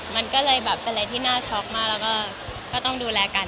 มันก็เลยแบบเป็นอะไรที่น่าช็อกมากแล้วก็ต้องดูแลกัน